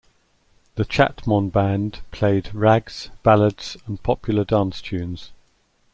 The Chatmon band played rags, ballads, and popular dance tunes.